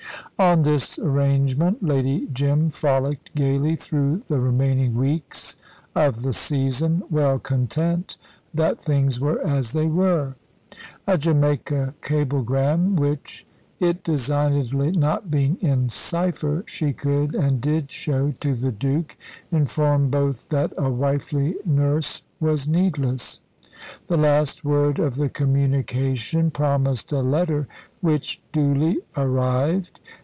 On this arrangement Lady Jim frolicked gaily through the remaining weeks of the season, well content that things were as they were. A Jamaica cablegram, which it designedly not being in cypher she could and did show to the Duke, informed both that a wifely nurse was needless. The last word of the communication promised a letter, which duly arrived.